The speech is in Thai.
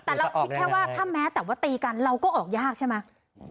แต่เราคิดแค่ว่าถ้าแม้แต่ว่าตีกันเราก็ออกยากใช่ไหม